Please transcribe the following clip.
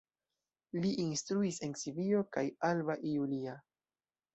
Li instruis en Sibio kaj Alba Iulia.